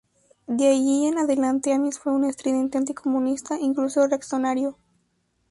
De allí en adelante, Amis fue un estridente anti-comunista, incluso reaccionario.